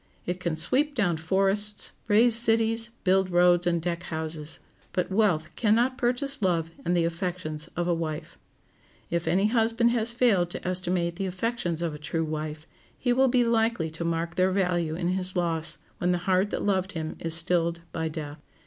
It can sweep down forests, raise cities, build roads, and deck houses; but wealth can not purchase love and the affections of a wife. If any husband has failed to estimate the affections of a true wife, he will be likely to mark their value in his loss, when the heart that loved him is stilled by death.